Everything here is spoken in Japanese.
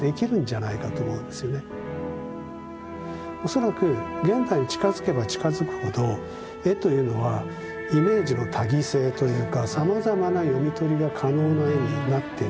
恐らく現代に近づけば近づくほど絵というのはイメージの多義性というかさまざまな読み取りが可能な絵になっていく。